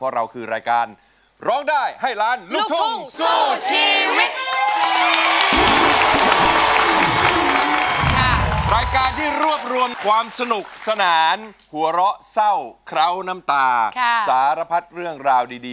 รายการที่รวบรวมความสนุกสนานหัวเราะเศร้าเค้าน้ำตาสารพัฒน์เรื่องราวดี